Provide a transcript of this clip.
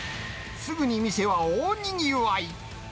すぐに店は大にぎわい。